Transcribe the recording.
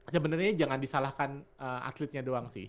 sebenarnya jangan disalahkan atletnya doang sih